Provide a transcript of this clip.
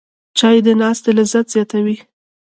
چای د ناستې لذت زیاتوي